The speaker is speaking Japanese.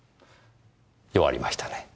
弱りましたね。